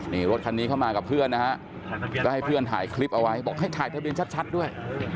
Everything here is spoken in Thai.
นี่รถคันนี้เข้ามากับเพื่อนนะฮะก็ให้เพื่อนถ่ายคลิปเอาไว้บอกให้ถ่ายทะเบียนชัดด้วย